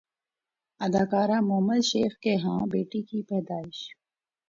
اداکارہ مومل شیخ کے ہاں بیٹی کی پیدائش